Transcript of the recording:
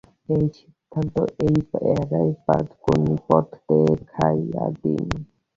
এই সিদ্ধান্ত এড়াইবার কোন পথ দেখাইয়া দিন।